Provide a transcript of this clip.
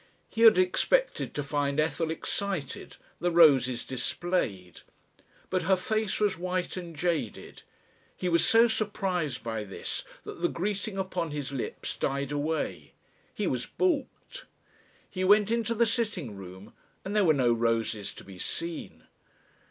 He had expected to find Ethel excited, the roses displayed. But her face was white and jaded. He was so surprised by this that the greeting upon his lips died away. He was balked! He went into, the sitting room and there were no roses to be seen.